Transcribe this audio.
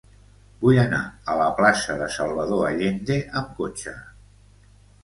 Vull anar a la plaça de Salvador Allende amb cotxe.